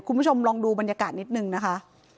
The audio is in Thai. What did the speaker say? คุณผู้ชมลองดูบรรยากาศนิดนึงนะคะ